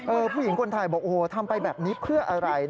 ผู้หญิงคนถ่ายบอกโอ้โหทำไปแบบนี้เพื่ออะไร